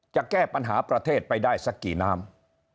จะแก้ปัญหาประเทศไปได้สักกี่น้ำ